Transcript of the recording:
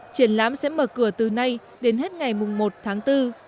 triển lãm sẽ mở cửa từ nay đến hết ngày một tháng bốn